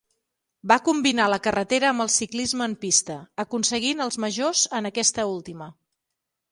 Va combinar la carretera amb el ciclisme en pista, aconseguint els majors en aquesta última.